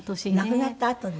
亡くなったあとに？